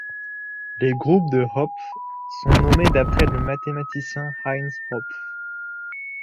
Les groupes de Hopf sont nommés d'après le mathématicien Heinz Hopf.